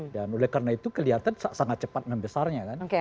dan oleh karena itu kelihatan sangat cepat membesarnya kan